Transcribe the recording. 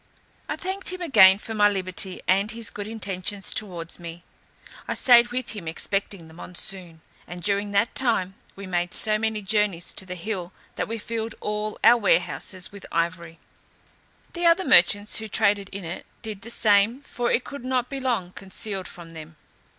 I thanked him again for my liberty and his good intentions towards me. I staid with him expecting the monsoon; and during that time, we made so many journeys to the hill, that we filled all our warehouses with ivory. The other merchants, who traded in it, did the same, for it could not be long concealed from them.